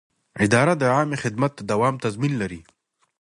اداره د عامه خدمت د دوام تضمین کوي.